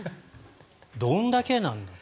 どんだけなんだと。